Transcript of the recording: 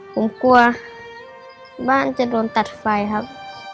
ผมกลัวบ้านจะโดนตัดไฟครับ